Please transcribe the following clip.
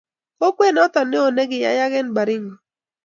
Kokwet noto neo nekiyayak eng Baringo